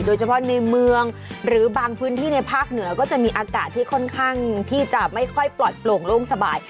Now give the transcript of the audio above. โดยเฉพาะในเมืองหรือบางพื้นที่ในภาคเหนือก็จะมีอากาศที่ค่อนข้างที่จะไม่ค่อยปลอดโปร่งโล่งสบาย